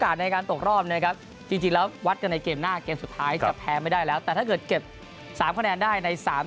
กันที่สามต้องการน้อยหนึ่งคะแนนในเกมสุดที่สาม